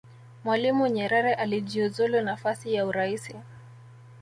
mwalimu nyerere alijiuzulu nafasi ya uraisi